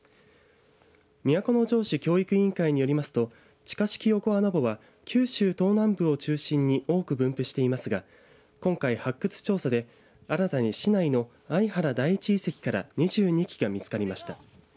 都城市教育委員会によりますと地下式横穴墓は、九州東南部を中心に多く分布していますが今回、発掘調査で新たに市内の相原第１遺跡から２２基が見つかりました。